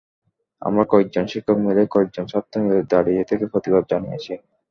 আমরা কয়েকজন শিক্ষক মিলে, কয়েকজন ছাত্র মিলে দাঁড়িয়ে থেকে প্রতিবাদ জানিয়েছি।